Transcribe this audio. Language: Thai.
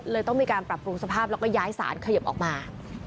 ต้องมีการปรับปรุงสภาพแล้วก็ย้ายสารเขยิบออกมา